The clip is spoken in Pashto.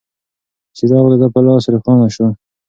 څراغ د ده په لاس روښانه شو.